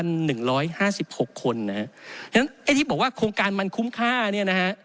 เพราะฉะนั้นไอ้ที่บอกว่าโครงการมันคุ้มค่าเนี่ยนะฮะ